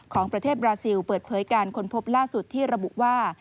ของประเทศบราซิลเปิดเผยการค้นพบล่าสุดที่ระบุว่า